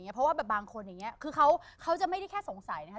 เพราะว่าแบบบางคนอย่างนี้คือเขาจะไม่ได้แค่สงสัยนะครับ